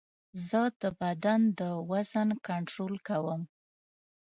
زه د بدن د وزن کنټرول کوم.